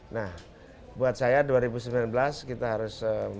nah buat saya dua ribu sembilan belas kita harus masuk ke dalam